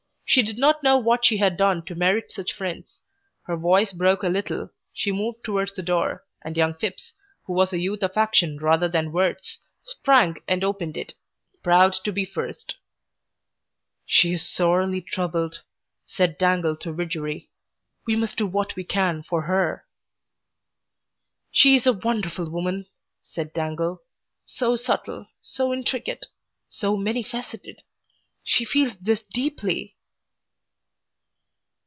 She did not know what she had done to merit such friends. Her voice broke a little, she moved towards the door, and young Phipps, who was a youth of action rather than of words, sprang and opened it proud to be first. "She is sorely troubled," said Dangle to Widgery. "We must do what we can for her." "She is a wonderful woman," said Dangle. "So subtle, so intricate, so many faceted. She feels this deeply."